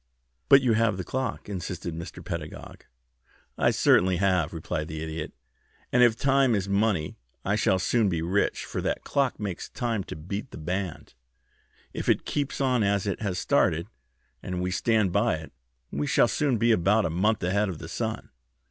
"But you have the clock," insisted Mr. Pedagog. "I certainly have," replied the Idiot; "and if time is money I shall soon be rich, for that clock makes time to beat the band. If it keeps on as it has started and we stand by it, we shall soon be about a month ahead of the sun.